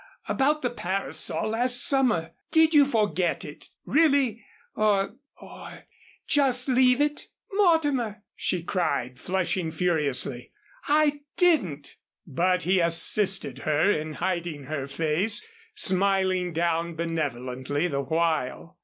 About the parasol last summer did you forget it, really or or just leave it?" "Mortimer!" she cried, flushing furiously. "I didn't!" But he assisted her in hiding her face, smiling down benevolently the while.